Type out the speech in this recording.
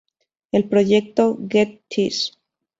El proyecto "Get This!